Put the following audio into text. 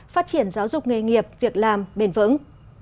phát triển giáo dục nghề nghiệp việc làm bền vững